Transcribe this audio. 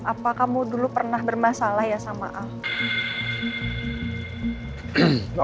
apa kamu dulu pernah bermasalah ya sama aku